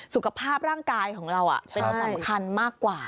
สุขภาพร่างกายของเราเป็นสำคัญมากกว่า